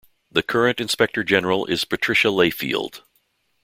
The current Inspector General is Patricia Layfield.